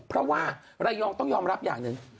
เพราะว่าระยองต้องยอมรับอย่างหนึ่ง